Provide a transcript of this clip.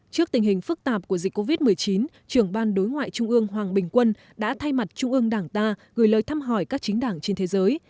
trước tình hình phức tạp của dịch covid một mươi chín trưởng ban đối ngoại trung ương hoàng bình quân đã thay mặt trung ương đảng ta gửi lời thăm hỏi các chính đảng trên thế giới